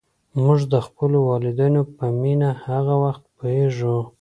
موږ د خپلو والدینو په مینه هغه وخت پوهېږو.